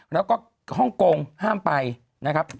แล้วก็ฮ่องกงห้ามไปนะครับ